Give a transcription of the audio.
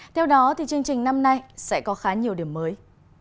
theo đó chương trình năm nay sẽ có khá nhiều điểm mới